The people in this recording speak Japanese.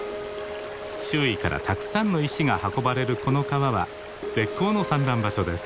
周囲からたくさんの石が運ばれるこの川は絶好の産卵場所です。